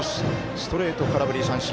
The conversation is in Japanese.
ストレート空振り三振。